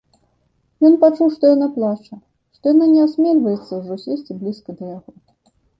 Ён пачуў, што яна плача, што яна не асмельваецца ўжо сесці блізка да яго.